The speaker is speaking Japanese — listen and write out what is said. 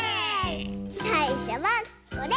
さいしょはこれ。